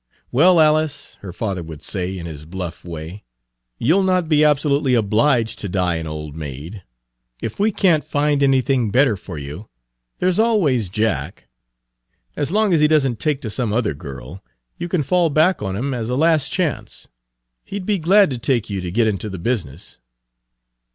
"Well, Alice," her father would say in his bluff way, "you'll not be absolutely obliged to die an old maid. If we can't find anything better for you, there 's always Jack. As long as he does n't take to some other girl, you can fall back on him as a last chance. He 'd be glad to take you to get into the business."